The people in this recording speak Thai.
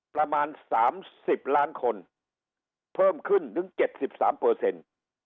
ประมาณสามสิบล้านคนเพิ่มขึ้นถึงเจ็ดสิบสามเปอร์เซ็นต์